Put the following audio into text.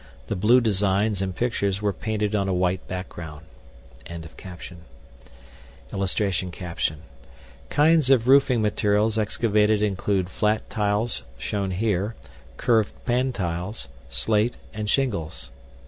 THE BLUE DESIGNS AND PICTURES WERE PAINTED ON A WHITE BACKGROUND.] [Illustration: KINDS OF ROOFING MATERIALS EXCAVATED INCLUDE FLAT TILES (SHOWN HERE), CURVED PANTILES, SLATE, AND SHINGLES.